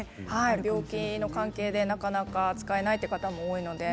病気の関係でなかなか使えないという方も多いので。